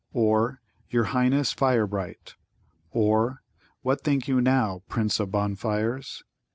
or "Your Highness Firebright!" or "What think you now, Prince of Bonfires?"